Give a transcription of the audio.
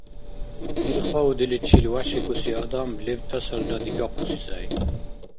Бирхаудиличил вяшикӀуси адам лебтасалра дигахъуси сай.